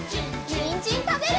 にんじんたべるよ！